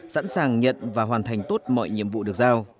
sẵn sàng nhận và hoàn thành tốt mọi nhiệm vụ được giao